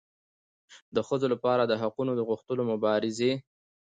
د ښځو لپاره د حقونو د غوښتلو مبارزې